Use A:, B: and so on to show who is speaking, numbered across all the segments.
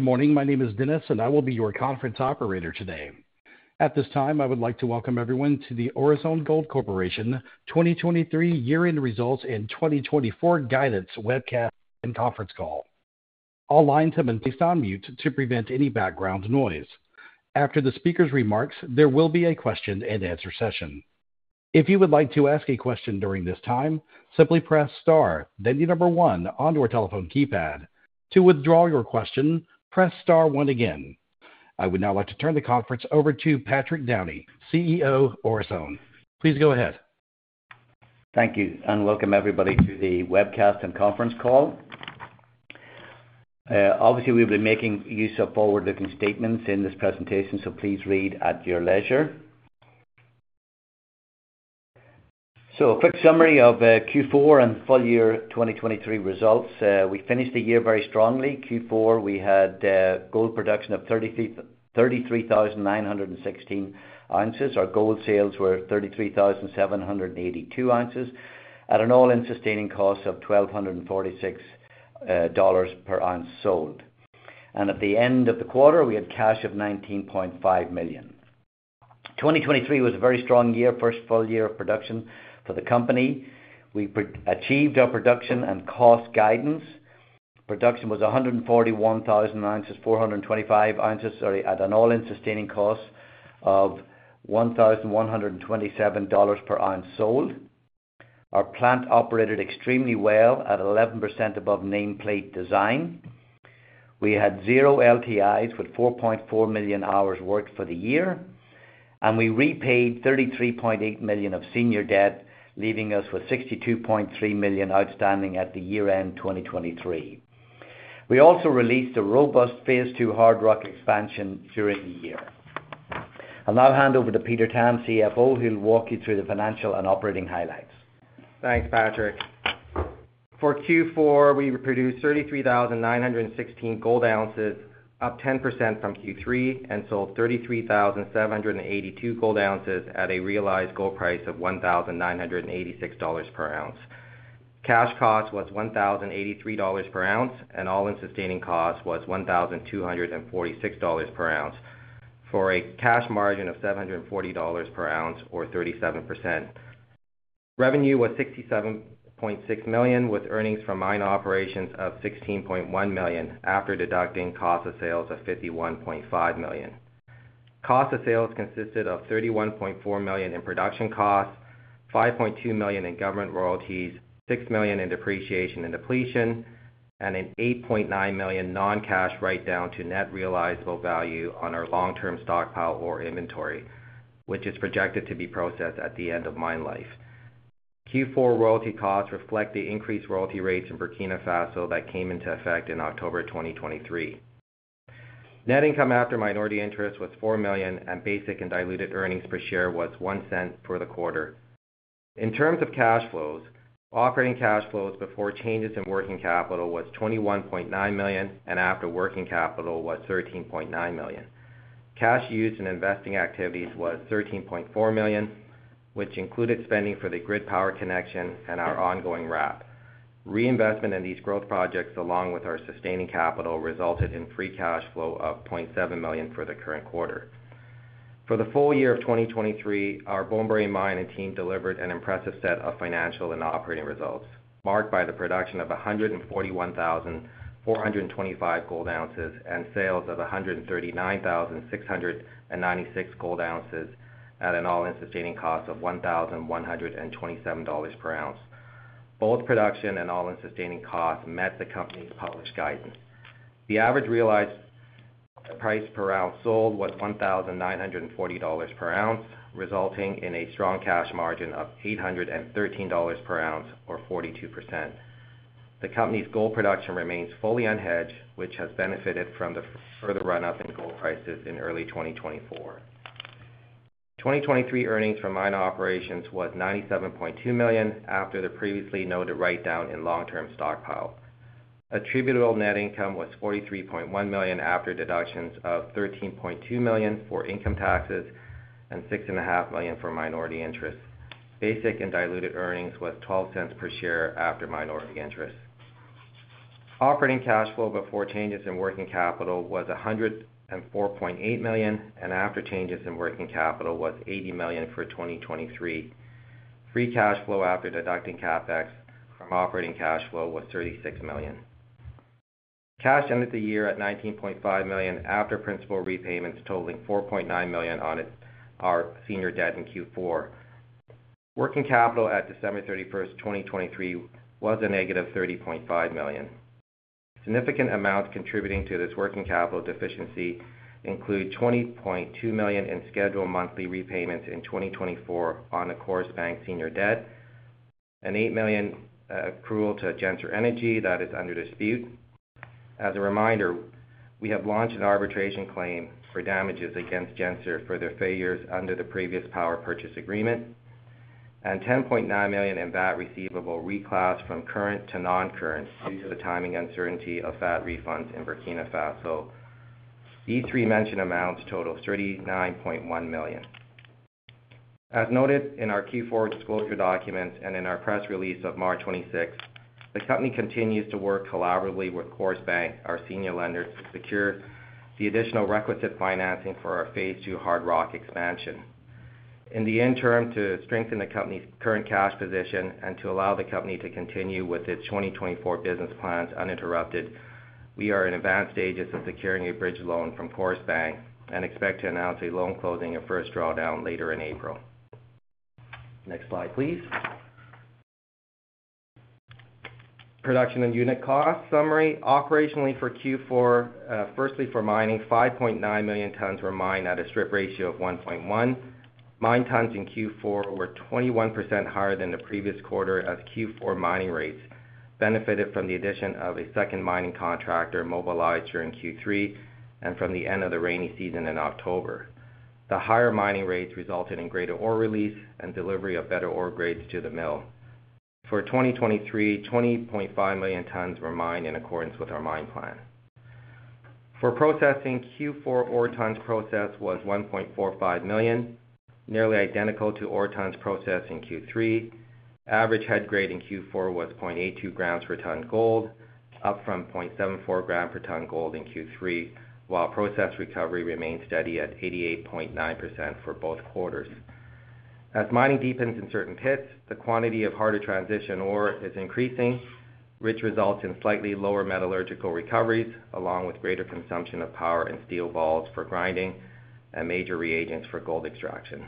A: Good morning. My name is Dennis, and I will be your conference operator today. At this time, I would like to welcome everyone to the Orezone Gold Corporation 2023 year-end results and 2024 guidance webcast and conference call. All lines have been placed on mute to prevent any background noise. After the speaker's remarks, there will be a question-and-answer session. If you would like to ask a question during this time, simply press star, then the number 1 on your telephone keypad. To withdraw your question, press star 1 again. I would now like to turn the conference over to Patrick Downey, CEO, Orezone. Please go ahead.
B: Thank you, and welcome everybody to the webcast and conference call. Obviously, we've been making use of forward-looking statements in this presentation, so please read at your leisure. So a quick summary of Q4 and full year 2023 results. We finished the year very strongly. Q4, we had gold production of 33,916 oz. Our gold sales were 33,782 oz at an all-in sustaining cost of $1,246 per ounce sold. And at the end of the quarter, we had cash of $19.5 million. 2023 was a very strong year, first full year of production for the company. We achieved our production and cost guidance. Production was 141,425 oz at an all-in sustaining cost of $1,127 per ounce sold. Our plant operated extremely well at 11% above nameplate design. We had 0 LTIs with 4.4 million hours worked for the year, and we repaid $33.8 million of senior debt, leaving us with $62.3 million outstanding at the year-end 2023. We also released a robust phase II Hard Rock Expansion during the year. I'll now hand over to Peter Tam, CFO, who'll walk you through the financial and operating highlights.
C: Thanks, Patrick. For Q4, we produced 33,916 gold ounces, up 10% from Q3, and sold 33,782 gold ounces at a realized gold price of $1,986 per ounce. Cash cost was $1,083 per ounce, and all-in sustaining cost was $1,246 per ounce, for a cash margin of $740 per ounce or 37%. Revenue was $67.6 million, with earnings from mine operations of $16.1 million, after deducting cost of sales of $51.5 million. Cost of sales consisted of $31.4 million in production costs, $5.2 million in government royalties, $6 million in depreciation and depletion, and an $8.9 million non-cash write-down to net realizable value on our long-term stockpile ore inventory, which is projected to be processed at the end of mine life. Q4 royalty costs reflect the increased royalty rates in Burkina Faso that came into effect in October 2023. Net income after minority interest was $4 million, and basic and diluted earnings per share was $0.01 for the quarter. In terms of cash flows, operating cash flows before changes in working capital was $21.9 million, and after working capital was $13.9 million. Cash used in investing activities was $13.4 million, which included spending for the grid power connection and our ongoing RAP. Reinvestment in these growth projects, along with our Sustaining Capital, resulted in Free Cash Flow of $0.7 million for the current quarter. For the full year of 2023, our Bomboré mine and team delivered an impressive set of financial and operating results, marked by the production of 141,425 gold ounces and sales of 139,696 gold ounces at an All-In Sustaining Cost of $1,127 per ounce. Both production and All-In Sustaining Costs met the company's published guidance. The average realized price per ounce sold was $1,940 per ounce, resulting in a strong cash margin of $813 per ounce or 42%. The company's gold production remains fully unhedged, which has benefited from the further run-up in gold prices in early 2024. 2023 earnings from mine operations was $97.2 million after the previously noted write-down in long-term stockpile. Attributable net income was $43.1 million after deductions of $13.2 million for income taxes and $6.5 million for minority interests. Basic and diluted earnings was $0.12 per share after minority interest. Operating cash flow before changes in working capital was $104.8 million, and after changes in working capital was $80 million for 2023. Free cash flow after deducting CapEx from operating cash flow was $36 million. Cash ended the year at $19.5 million after principal repayments totaling $4.9 million on our senior debt in Q4. Working capital at December 31, 2023, was a negative $30.5 million. Significant amounts contributing to this working capital deficiency include $20.2 million in scheduled monthly repayments in 2024 on the Coris Bank senior debt, an $8 million accrual to Genser Energy that is under dispute. As a reminder, we have launched an arbitration claim for damages against Genser for their failures under the previous power purchase agreement and $10.9 million in VAT receivable reclassed from current to non-current due to the timing uncertainty of VAT refunds in Burkina Faso. These three mentioned amounts total $39.1 million. As noted in our Q4 disclosure documents and in our press release of March 26, the company continues to work collaboratively with Coris Bank, our senior lender, to secure the additional requisite financing for our phase II hard rock expansion. In the interim, to strengthen the company's current cash position and to allow the company to continue with its 2024 business plans uninterrupted, we are in advanced stages of securing a bridge loan from Coris Bank and expect to announce a loan closing and first drawdown later in April. Next slide, please. Production and unit cost summary. Operationally, for Q4, firstly, for mining, 5.9 million tons were mined at a strip ratio of 1.1. Mine tons in Q4 were 21% higher than the previous quarter, as Q4 mining rates benefited from the addition of a second mining contractor mobilized during Q3 and from the end of the rainy season in October. The higher mining rates resulted in greater ore release and delivery of better ore grades to the mill. For 2023, 20.5 million tons were mined in accordance with our mine plan. For processing, Q4 ore tons processed was 1.45 million, nearly identical to ore tons processed in Q3. Average head grade in Q4 was 0.82 grams per ton gold, up from 0.74 gram per ton gold in Q3, while process recovery remained steady at 88.9% for both quarters. As mining deepens in certain pits, the quantity of harder transition ore is increasing, which results in slightly lower metallurgical recoveries, along with greater consumption of power and steel balls for grinding and major reagents for gold extraction.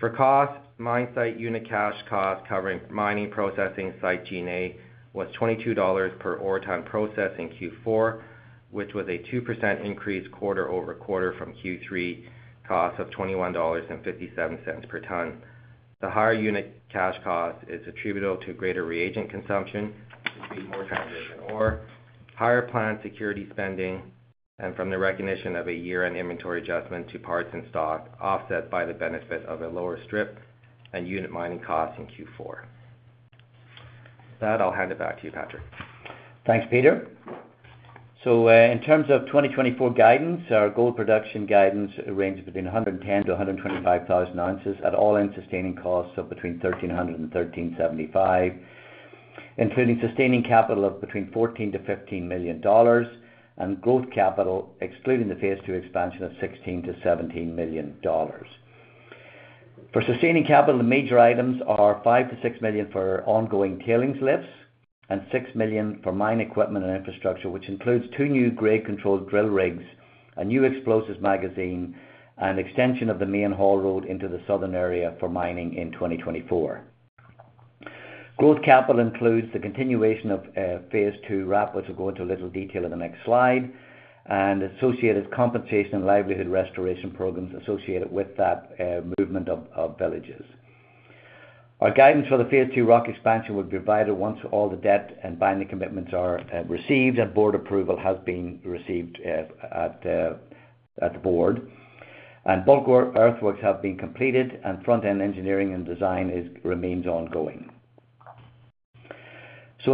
C: For cost, mine site unit cash cost, covering mining, processing, site G&A, was $22 per ore ton processed in Q4, which was a 2% increase quarter-over-quarter from Q3 costs of $21.57 per ton. The higher unit cash cost is attributable to greater reagent consumption to treat more transition ore, higher plant security spending, and from the recognition of a year-end inventory adjustment to parts and stock, offset by the benefit of a lower strip and unit mining cost in Q4. With that, I'll hand it back to you, Patrick.
B: Thanks, Peter. In terms of 2024 guidance, our gold production guidance ranges between 110,000 to 125,000 ounces at all-in sustaining costs of between $1,300-$1,375, including sustaining capital of between $14 million-$15 million, and growth capital, excluding the phase II expansion of $16 million-$17 million. For sustaining capital, the major items are $5 million-$6 million for ongoing tailings lifts and $6 million for mine equipment and infrastructure, which includes two new grade control drill rigs, a new explosives magazine, and extension of the main haul road into the southern area for mining in 2024. Growth capital includes the continuation of phase II RAP, which will go into a little detail in the next slide, and associated compensation and livelihood restoration programs associated with that movement of villages. Our guidance for the phase II rock expansion will be provided once all the debt and binding commitments are received, and board approval has been received at the board. Bulk earthworks have been completed, and front-end engineering and design remains ongoing.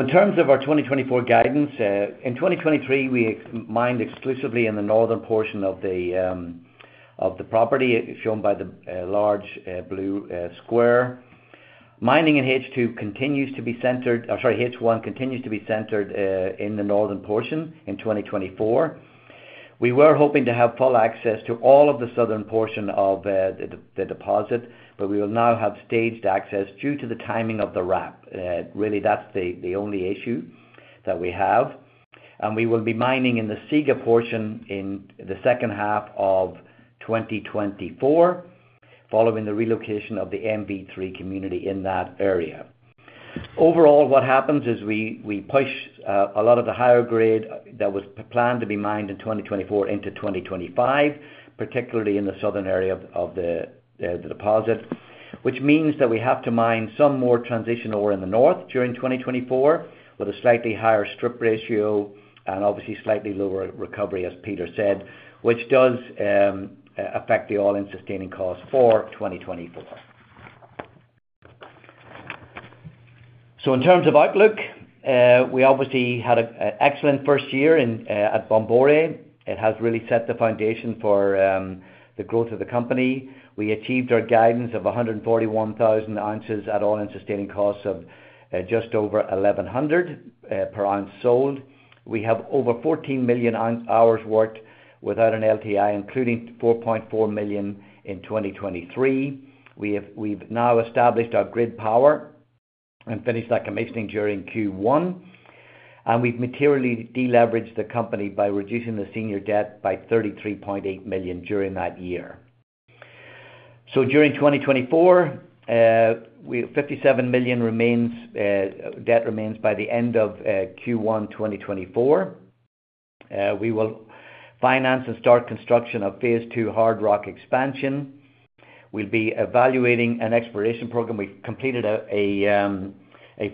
B: In terms of our 2024 guidance, in 2023, we mined exclusively in the northern portion of the property, shown by the large blue square. Mining in H2 continues to be centered... I'm sorry, H1 continues to be centered in the northern portion in 2024. We were hoping to have full access to all of the southern portion of the deposit, but we will now have staged access due to the timing of the RAP. Really, that's the only issue that we have. We will be mining in the Siga portion in the second half of 2024, following the relocation of the MV3 community in that area. Overall, what happens is we push a lot of the higher grade that was planned to be mined in 2024 into 2025, particularly in the southern area of the deposit, which means that we have to mine some more transition ore in the north during 2024, with a slightly higher strip ratio and obviously slightly lower recovery, as Peter said, which does affect the all-in sustaining cost for 2024. In terms of outlook, we obviously had an excellent first year at Bomboré. It has really set the foundation for the growth of the company. We achieved our guidance of 141,000 oz at All-In Sustaining Costs of just over $1,100 per ounce sold. We have over 14 million man-hours worked without an LTI, including 4.4 million in 2023. We have we've now established our grid power and finished that commissioning during Q1, and we've materially deleveraged the company by reducing the senior debt by $33.8 million during that year. So during 2024, we have $57 million remains debt remains by the end of Q1 2024. We will finance and start construction of phase II Hard Rock Expansion. We'll be evaluating an exploration program. We've completed a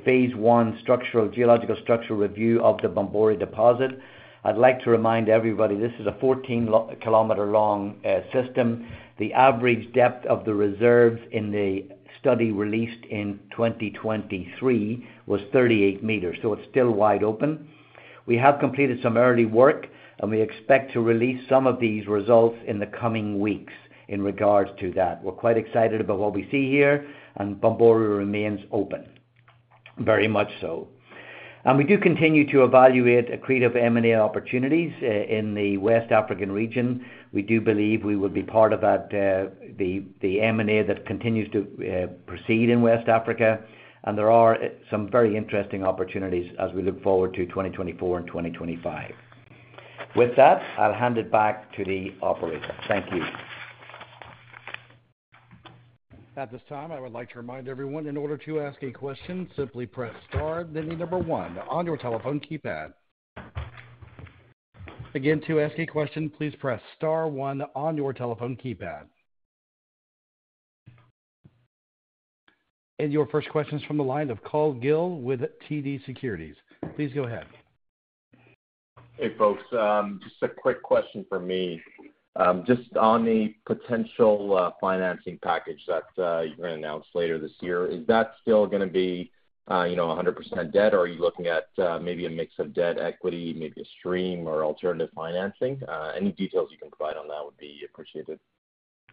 B: phase I structural geological structural review of the Bomboré deposit. I'd like to remind everybody, this is a 14 km long system. The average depth of the reserves in the study released in 2023 was 38 m, so it's still wide open. We have completed some early work, and we expect to release some of these results in the coming weeks in regards to that. We're quite excited about what we see here, and Bomboré remains open, very much so. We do continue to evaluate accretive M&A opportunities in the West African region. We do believe we will be part of that, the M&A that continues to proceed in West Africa, and there are some very interesting opportunities as we look forward to 2024 and 2025. With that, I'll hand it back to the operator. Thank you.
A: At this time, I would like to remind everyone, in order to ask a question, simply press star then the number one on your telephone keypad. Again, to ask a question, please press star one on your telephone keypad. Your first question's from the line of Craig Hutchison with TD Securities. Please go ahead.
D: Hey, folks, just a quick question from me. Just on the potential financing package that you're going to announce later this year, is that still gonna be, you know, 100% debt, or are you looking at maybe a mix of debt equity, maybe a stream or alternative financing? Any details you can provide on that would be appreciated.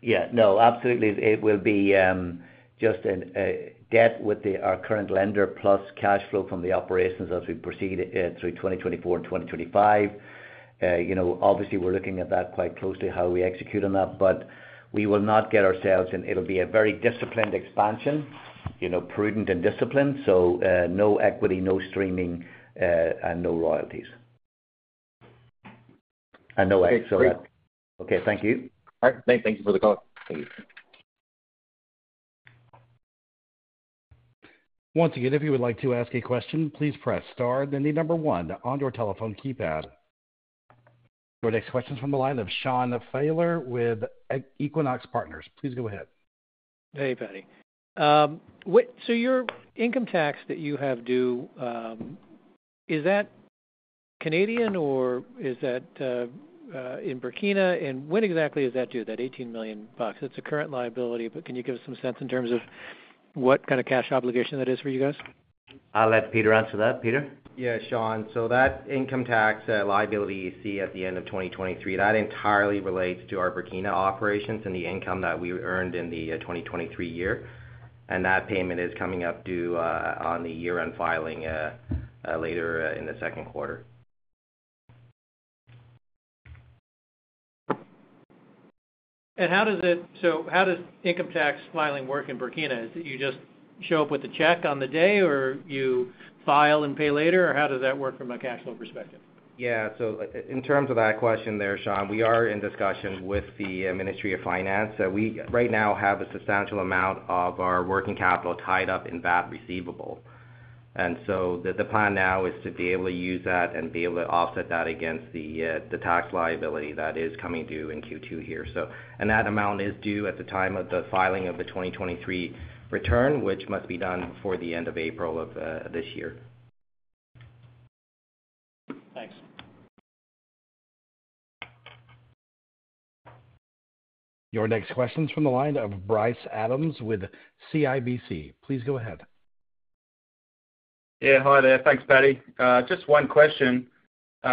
B: Yeah. No, absolutely, it will be just a debt with our current lender, plus cash flow from the operations as we proceed through 2024 and 2025. You know, obviously, we're looking at that quite closely, how we execute on that, but we will not get ourselves, and it'll be a very disciplined expansion, you know, prudent and disciplined. So, no equity, no streaming, and no royalties. And no equity-
D: Great.
B: Okay. Thank you.
D: All right, thank you for the color.
B: Thank you.
A: Once again, if you would like to ask a question, please press star, then the number one on your telephone keypad. Your next question's from the line of Sean Fieler with Equinox Partners. Please go ahead.
E: Hey, Paddy. So your income tax that you have due, is that Canadian, or is that in Burkina? And when exactly is that due, that $18 million? It's a current liability, but can you give us some sense in terms of what kind of cash obligation that is for you guys?
B: I'll let Peter answer that. Peter?
C: Yeah, Sean. So that income tax liability you see at the end of 2023, that entirely relates to our Burkina operations and the income that we earned in the 2023 year. And that payment is coming up due on the year-end filing later in the second quarter.
E: So how does income tax filing work in Burkina? Do you just show up with the check on the day, or you file and pay later, or how does that work from a cash flow perspective?
C: Yeah, so in terms of that question there, Sean, we are in discussions with the Ministry of Finance. We, right now, have a substantial amount of our working capital tied up in that receivable. The plan now is to be able to use that and be able to offset that against the tax liability that is coming due in Q2 here. That amount is due at the time of the filing of the 2023 return, which must be done before the end of April of this year.
E: Thanks.
A: Your next question's from the line of Bryce Adams with CIBC. Please go ahead.
F: Yeah, hi there. Thanks, Patrick. Just one question,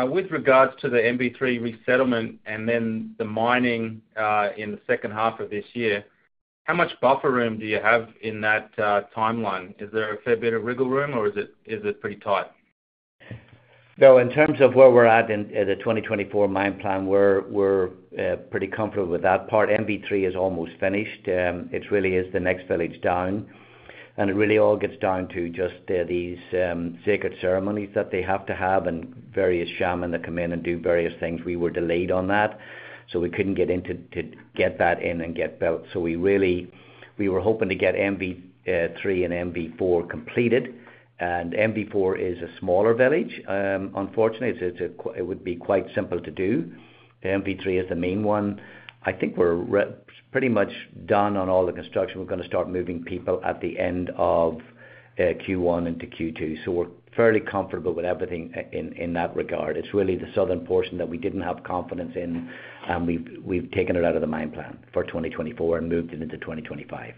F: with regards to the MV3 resettlement and then the mining, in the second half of this year, how much buffer room do you have in that timeline? Is there a fair bit of wiggle room, or is it pretty tight?
B: So in terms of where we're at in the 2024 mine plan, we're pretty comfortable with that part. MV3 is almost finished. It really is the next village down, and it really all gets down to just these sacred ceremonies that they have to have and various shaman that come in and do various things. We were delayed on that, so we couldn't get in to get that in and get built. So we really. We were hoping to get MV three and MV4 completed, and MV4 is a smaller village. Unfortunately, it's a qui- it would be quite simple to do. MV3 is the main one. I think we're pretty much done on all the construction. We're gonna start moving people at the end of Q1 into Q2, so we're fairly comfortable with everything in that regard. It's really the southern portion that we didn't have confidence in, and we've taken it out of the mine plan for 2024 and moved it into 2025.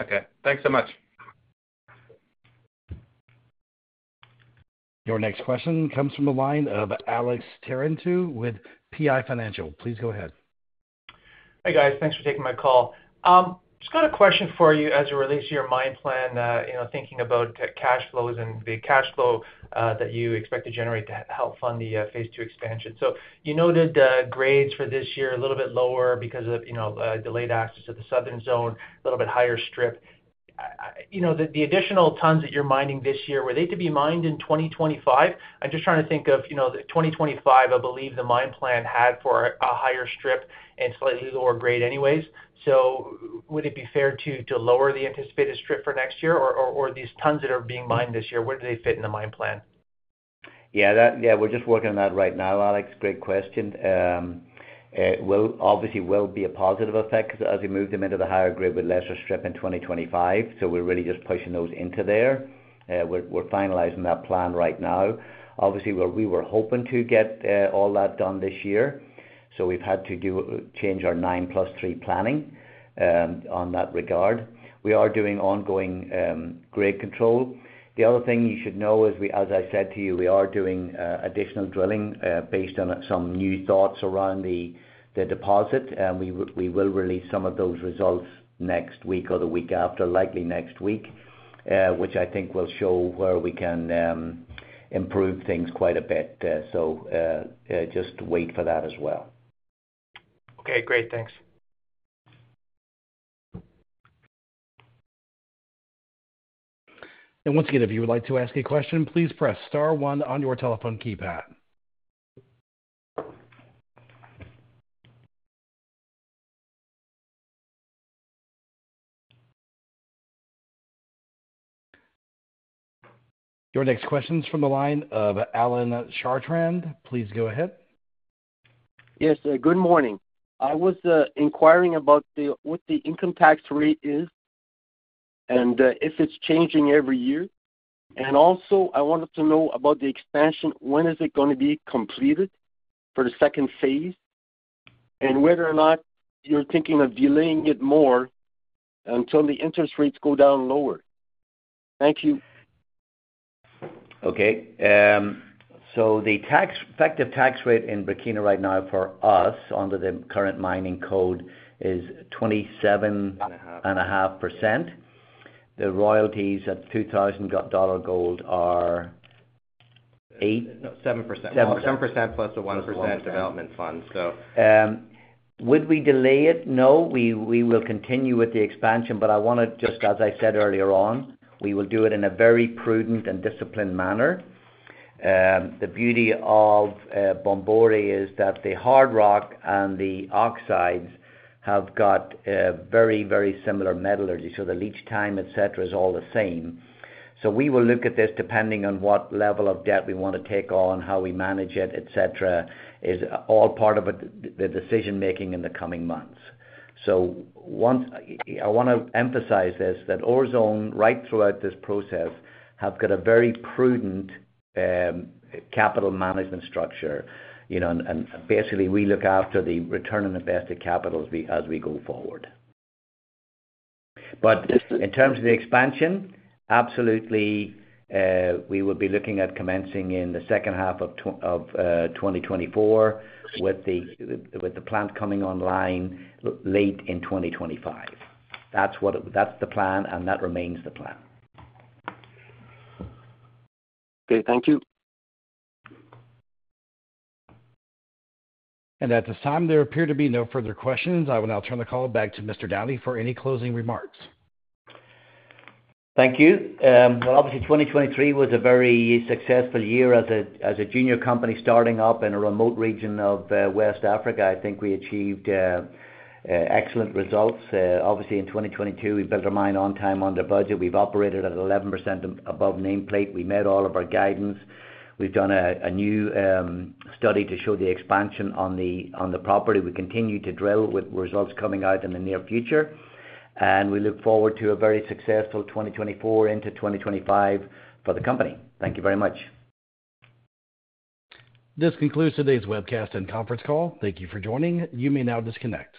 F: Okay, thanks so much.
A: Your next question comes from the line of Alex Terentiew with PI Financial. Please go ahead.
G: Hey, guys. Thanks for taking my call. Just got a question for you as it relates to your mine plan, you know, thinking about cash flows and the cash flow that you expect to generate to help fund the phase II expansion. So you noted the grades for this year a little bit lower because of, you know, delayed access to the southern zone, a little bit higher strip. You know, the additional tons that you're mining this year, were they to be mined in 2025? I'm just trying to think of, you know, the 2025, I believe the mine plan had for a higher strip and slightly lower grade anyways. So would it be fair to lower the anticipated strip for next year, or these tons that are being mined this year, where do they fit in the mine plan?
B: Yeah, we're just working on that right now, Alex. Great question. It will, obviously, be a positive effect as we move them into the higher grade with lesser strip in 2025, so we're really just pushing those into there. We're finalizing that plan right now. Obviously, we were hoping to get all that done this year. So we've had to change our 9 + 3 planning on that regard. We are doing ongoing grade control. The other thing you should know is, as I said to you, we are doing additional drilling based on some new thoughts around the deposit, and we will release some of those results next week or the week after, likely next week, which I think will show where we can improve things quite a bit. So, just wait for that as well.
G: Okay, great. Thanks.
A: Once again, if you would like to ask a question, please press star one on your telephone keypad. Your next question is from the line of Alan Chartrand. Please go ahead.
H: Yes, good morning. I was inquiring about the, what the income tax rate is and, if it's changing every year? Also, I wanted to know about the expansion. When is it gonna be completed for the second phase? And whether or not you're thinking of delaying it more until the interest rates go down lower. Thank you.
B: Okay. So the tax-effective tax rate in Burkina right now for us, under the current mining code, is 27.5%. The royalties at $2,000 gold are eight-
C: No, 7%.
B: 7%.
C: 10% plus the 1% development fund. So-
B: Would we delay it? No, we, we will continue with the expansion, but I wanna just, as I said earlier on, we will do it in a very prudent and disciplined manner. The beauty of Bomboré is that the hard rock and the oxides have got very, very similar metallurgy, so the leach time, et cetera, is all the same. So we will look at this depending on what level of debt we want to take on, how we manage it, et cetera, is all part of the, the decision-making in the coming months. So I wanna emphasize this, that Orezone, right throughout this process, have got a very prudent capital management structure, you know, and, and basically, we look after the return on invested capital as we, as we go forward. But in terms of the expansion, absolutely, we will be looking at commencing in the second half of 2024, with the plant coming online late in 2025. That's what it... That's the plan, and that remains the plan.
H: Okay, thank you.
A: At this time, there appear to be no further questions. I will now turn the call back to Mr. Downey for any closing remarks.
B: Thank you. Well, obviously, 2023 was a very successful year as a junior company starting up in a remote region of West Africa. I think we achieved excellent results. Obviously, in 2022, we built our mine on time, under budget. We've operated at 11% above nameplate. We met all of our guidance. We've done a new study to show the expansion on the property. We continue to drill with results coming out in the near future, and we look forward to a very successful 2024 into 2025 for the company. Thank you very much.
A: This concludes today's webcast and conference call. Thank you for joining. You may now disconnect.